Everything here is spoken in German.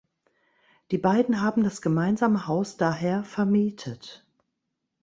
Die beiden haben das gemeinsame Haus daher vermietet.